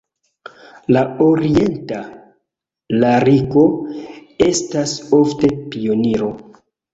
La orienta lariko estas ofte pioniro.